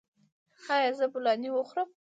ایا زه بولاني وخورم؟